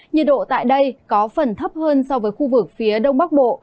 nhiệt độ tại đây có phần thấp hơn so với khu vực phía đông bắc bộ